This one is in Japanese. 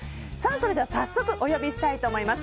それでは、早速お呼びしたいと思います。